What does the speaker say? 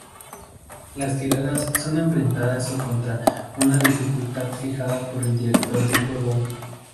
Las tiradas son enfrentadas o contra una dificultad fijada por el director de juego.